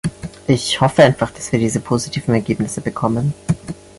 Ich hoffe einfach, dass wir diese positiven Ergebnisse bekommen.